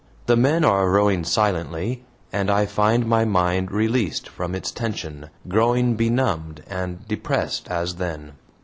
The men are rowing silently, and I find my mind, released from its tension, growing benumbed and depressed as then.